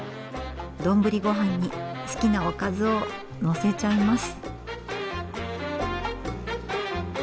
丼ごはんに好きなおかずをのせちゃいます。